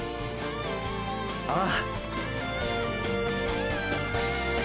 ああ！